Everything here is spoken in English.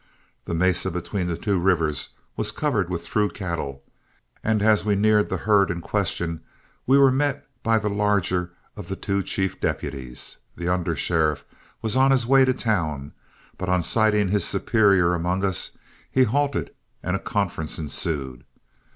The mesa between the two rivers was covered with through cattle, and as we neared the herd in question, we were met by the larger one of the two chief deputies. The undersheriff was on his way to town, but on sighting his superior among us, he halted and a conference ensued.